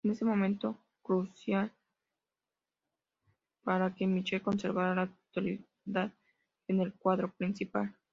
Ese momento fue crucial para que Michel conservara la titularidad en el cuadro principal.